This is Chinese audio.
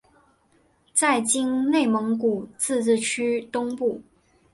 在今内蒙古自治区东部。